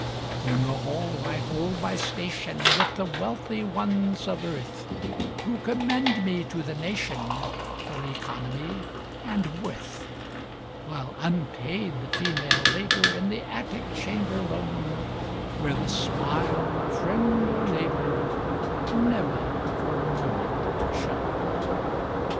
In the hall I hold my station, With the wealthy ones of earth, Who commend me to the nation For economy and worth, While unpaid the female labor, In the attic chamber lone, Where the smile of friend or neighbor Never for a moment shone.